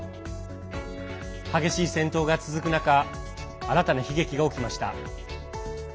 激しい戦闘が続く中新たな悲劇が起きました。